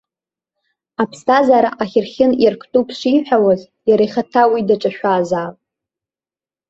Аԥсҭазаара ахьырхьын иарктәуп шиҳәауаз, иара ихаҭа уи даҿашәазаап.